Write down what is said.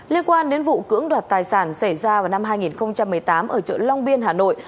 liên quan đến vụ cưỡng đoạt tài sản xảy ra vào năm hai nghìn một mươi tám ở chợ long biên hà nội